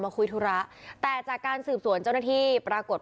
คุยธุระแต่จากการสืบสวนเจ้าหน้าที่ปรากฏ